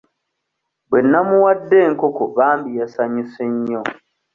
Bwe nnamuwadde enkoko bambi yasanyuse nnyo.